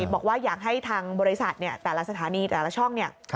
บอกว่าอยากให้ทางบริษัทแต่ละสถานีแต่ละช่องเนี่ย